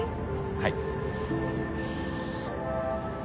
はい。